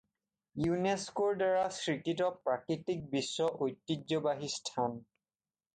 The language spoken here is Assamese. ইউনেস্কোৰ দ্বাৰা স্বীকৃত প্ৰাকৃতিক বিশ্ব ঐতিহ্যবাহী স্থান।